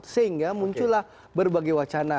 sehingga muncullah berbagai wacana